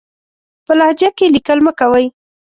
په لهجه کې ليکل مه کوئ!